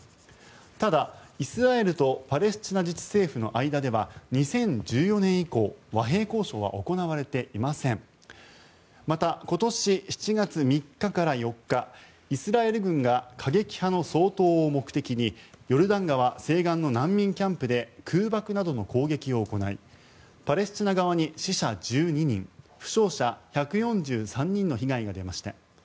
ただ、イスラエルとパレスチナ自治政府の間では２０１４年以降、和平交渉は行われていません。また今年７月３日から４日イスラエル軍が過激派の掃討を目的にヨルダン川西岸の難民キャンプで空爆などの攻撃を行いパレスチナ側に死者１２人負傷者１４３人の被害が出ました。